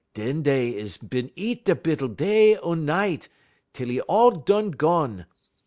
Dun dey is bin eat dis bittle day un night tell 'e all done gone.